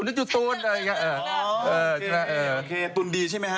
ตัดละธุณดีใช่ไหมฮะ